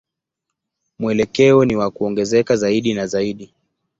Mwelekeo ni wa kuongezeka zaidi na zaidi.